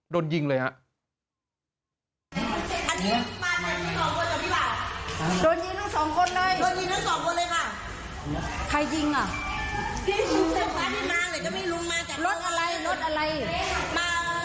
โดนยิงเลยครับ